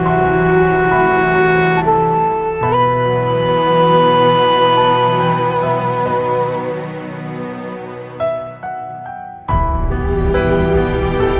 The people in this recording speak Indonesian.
dan izinkan hamba